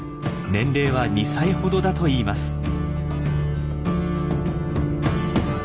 年齢は２歳ほどだといいます。